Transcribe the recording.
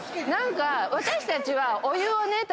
私たちはお湯をね